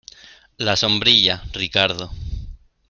la sombrilla, Ricardo.